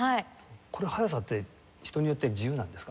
これ速さって人によって自由なんですか？